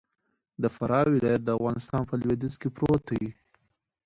د فراه ولايت د افغانستان په لویدیځ کی پروت دې.